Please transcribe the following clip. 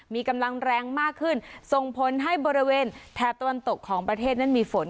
มีกำลังแรงมากขึ้นส่งผลให้บริเวณแถบตะวันตกของประเทศนั้นมีฝน